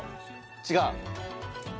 違う？